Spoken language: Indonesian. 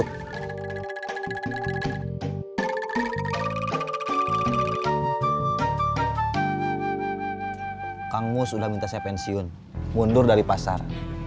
kang mus sudah minta saya pensiun mundur dari pasar